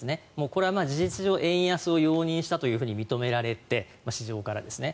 これは事実上円安を容認したと認められて市場からですね。